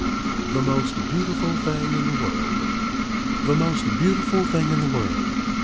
"_ THE MOST BEAUTIFUL THING IN THE WORLD The most beautiful thing in the world!